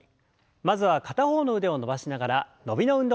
まずは片方の腕を伸ばしながら伸びの運動です。